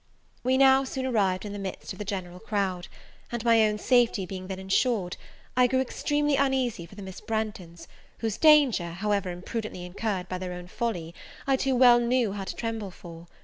We now soon arrived in the midst of the general crowd; and, my own safety being then insured, I grew extremely uneasy for the Miss Branghtons, whose danger, however imprudently incurred by their own folly, I too well knew how to tremble for.